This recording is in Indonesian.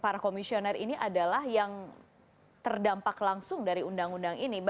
para komisioner ini adalah yang terdampak langsung dari undang undang ini